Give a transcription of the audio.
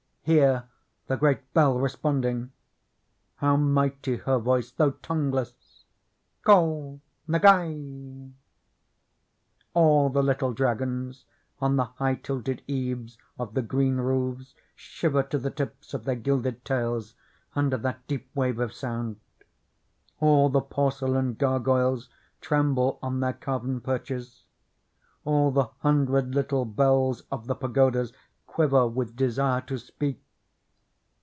Hear the great bell responding! — how mighty her voice, though tongueless !— Ko Ngai ! All the little dragons on the high tilted eaves of the green roofs shiver to the tips of their gilded tails under that deep wave of sound; all the porcelain gargoyles tremble on their carven perches; all the hundred little bells of the pagodas quiver with desire to speak.